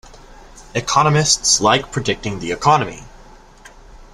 Economists like predicting the Economy.